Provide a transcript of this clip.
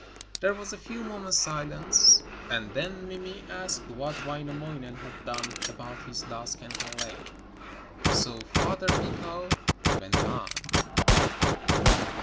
There was a few moments' silence, and then Mimi asked what Wainamoinen had done about his lost kantele, so Father Mikko went on.